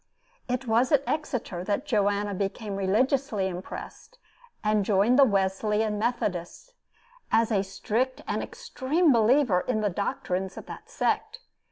It was at Exeter that Joanna became religiously impressed, and joined the Wesleyan Methodists, as a strict and extreme believer in the doctrines of that sect.